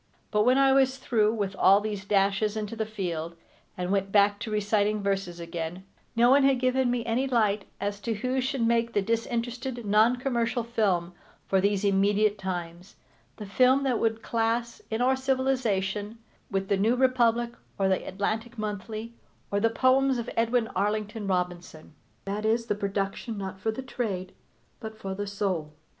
But when I was through with all these dashes into the field, and went back to reciting verses again, no one had given me any light as to who should make the disinterested, non commercial film for these immediate times, the film that would class, in our civilization, with The New Republic or The Atlantic Monthly or the poems of Edwin Arlington Robinson. That is, the production not for the trade, but for the soul.